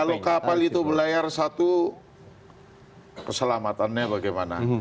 kalau kapal itu berlayar satu keselamatannya bagaimana